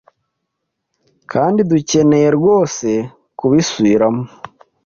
kandi ducyeneye rwose kubusubiramo